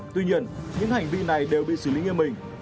tuy nhiên những hành vi này đều bị xử lý nghiêm minh